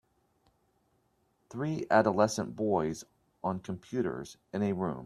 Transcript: Three adolescent boys on computers in a room.